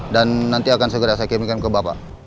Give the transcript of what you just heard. dan nanti akan segera saya kirimkan ke bapak